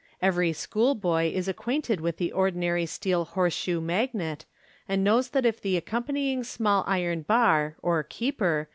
Every school boy is acquainted with the ordinary steel horse shoe magnet, and knows that if the accompanying small iron bar, or " keeper."